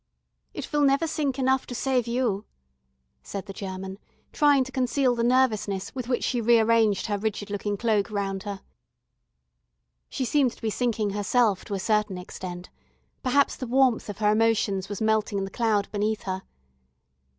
"It will never sink enough to save you," said the German, trying to conceal the nervousness with which she rearranged her rigid looking cloak round her. She seemed to be sinking herself to a certain extent; perhaps the warmth of her emotions was melting the cloud beneath her.